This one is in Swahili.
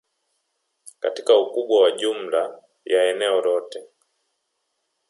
katika ukubwa wa jumla ya eneo lote